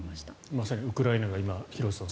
まさにウクライナが廣瀬さん